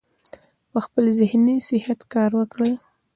پۀ خپل ذهني صحت کار وکړي -